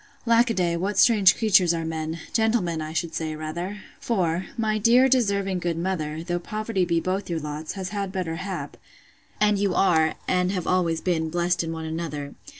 Lack a day, what strange creatures are men! gentlemen, I should say, rather! For, my dear deserving good mother, though poverty be both your lots, has had better hap, and you are, and have always been, blest in one another!